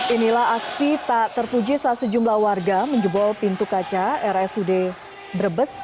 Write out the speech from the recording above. inilah aksi tak terpuji saat sejumlah warga menjebol pintu kaca rsud brebes